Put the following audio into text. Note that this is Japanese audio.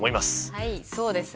はいそうですね。